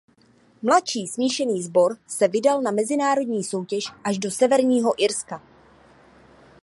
Mladší smíšený sbor se vydal na mezinárodní soutěž až do Severního Irska.